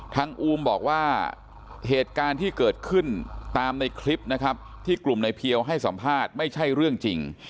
อูมบอกว่าเหตุการณ์ที่เกิดขึ้นตามในคลิปนะครับที่กลุ่มในเพียวให้สัมภาษณ์ไม่ใช่เรื่องจริง